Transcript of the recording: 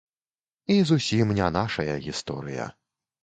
І зусім не нашая гісторыя.